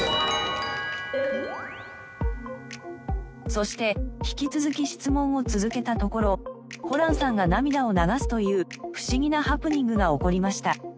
そして引き続き質問を続けたところホランさんが涙を流すというフシギなハプニングが起こりました。